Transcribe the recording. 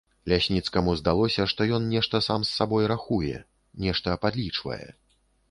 Лясніцкаму здалося, што ён нешта сам з сабой рахуе, нешта падлічвае.